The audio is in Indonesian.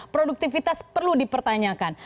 produktivitas perlu dipertanyakan